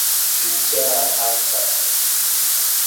Kichaa hasa